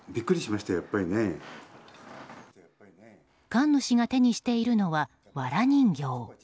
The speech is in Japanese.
神主が手にしているのはわら人形。